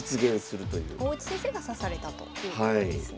大内先生が指されたということですね。